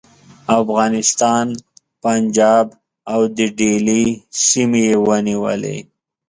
افغانستان، پنجاب او د دهلي سیمې یې ونیولې.